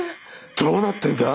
どうなってんだ？